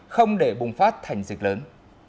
không để bùng phát thành dịch lớn